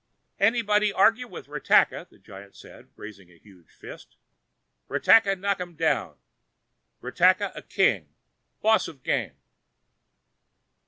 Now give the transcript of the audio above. "Anyone argue with Ratakka," the giant said, raising a huge fist, "Ratakka knock 'em down. Ratakka a king, boss of game."